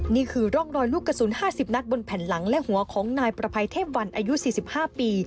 นี่คือร่องรอยลูกกระสุน๕๐นัดบนแผ่นหลังและหัวของนายประภัยเทพวันอายุ๔๕ปี